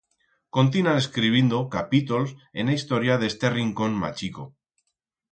Continan escribindo capítols en a historia d'este rincón machico.